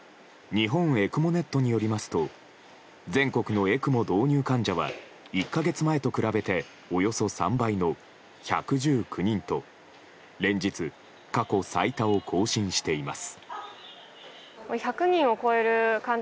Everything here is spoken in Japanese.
日本ＥＣＭＯｎｅｔによりますと全国のＥＣＭＯ導入患者は１か月前と比べておよそ３倍の１１９人と連日、過去最多を更新しています。